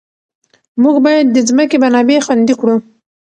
موږ باید د ځمکې منابع خوندي کړو.